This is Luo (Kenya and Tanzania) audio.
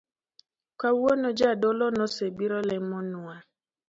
Kawuono Jadolo nosebiro lemonwa